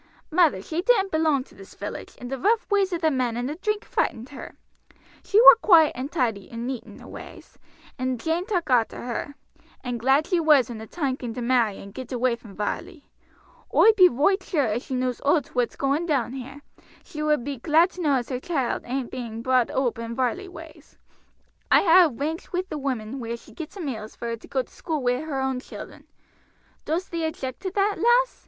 Mother she didn't belong to this village, and the rough ways of the men and the drink frightened her. She war quiet and tidy and neat in her ways, and Jane took arter her, and glad she was when the time came to marry and get away from Varley. Oi be roight sure if she knows owt what's going on down here, she would be glad to know as her child ain't bein' brought oop in Varley ways. I ha' arranged wi' the woman where she gets her meals for her to go to school wi' her own children. Dost thee object to that, lass?